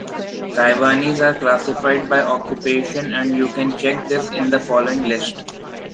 Taiwanese are classified by occupation, and you can check this in the following list.